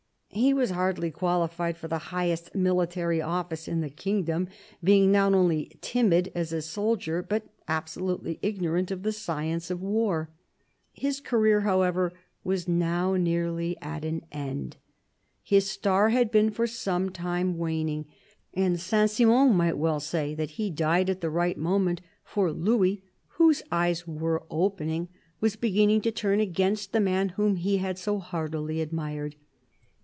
He was hardly qualified for the highest military office in the kingdom, being not only timid as a soldier, but absolutely ignorant of the science of war. His career, however, was now nearly at an end. His star had been for some time waning, and Saint Simon might well say that he died at the right moment, for Louis, " whose eyes were opening," was beginning to turn against the man whom he had so heartily admired.